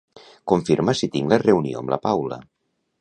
Confirma si tinc la reunió amb la Paula.